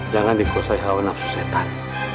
jangan dikuasai hawa nafsu setan